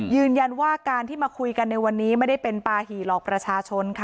ยืนยันว่าการที่มาคุยกันในวันนี้ไม่ได้เป็นปาหี่หลอกประชาชนค่ะ